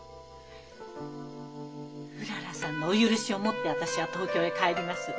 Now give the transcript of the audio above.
うららさんのお許しを持って私は東京へ帰ります。